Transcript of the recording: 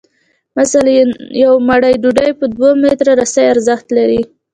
مثلاً یوه مړۍ ډوډۍ په دوه متره رسۍ ارزښت لري